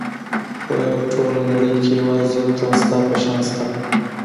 په ټوله نړۍ کې یوازې یو تن ستا په شان شته.